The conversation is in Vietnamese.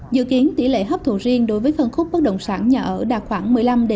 dự kiến tỷ lệ hấp thụ riêng đối với phân khúc bất động sản nhà ở đạt khoảng một mươi năm một mươi tám